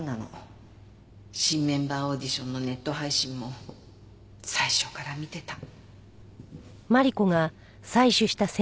新メンバーオーディションのネット配信も最初から見てた。